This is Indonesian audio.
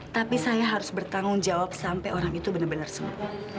tapi saya harus bertanggung jawab sampai orang itu benar benar sembuh